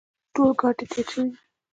ټول ګاډي تېر شوي دي.